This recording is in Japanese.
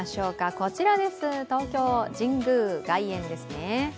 こちらです、東京・神宮外苑ですね。